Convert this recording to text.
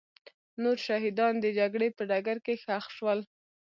نور شهیدان د جګړې په ډګر کې ښخ شول.